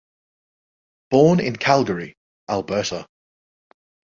Born in Calgary, Alberta.